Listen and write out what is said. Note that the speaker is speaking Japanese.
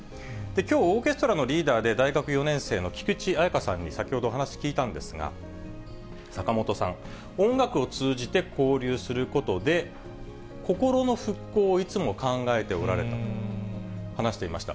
きょう、オーケストラのリーダーで大学４年生の菊地彩花さんに先ほどお話聞いたんですが、坂本さん、音楽を通じて交流することで、心の復興をいつも考えておられたと話していました。